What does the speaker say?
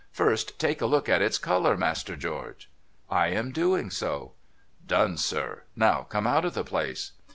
First, take a look at its colour, Master George.' ' I am doing so.' ' Done, sir. Now, come out of the place.'